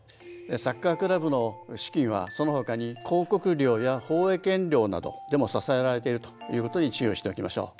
サッカークラブの資金はそのほかに広告料や放映権料などでも支えられているということに注意をしておきましょう。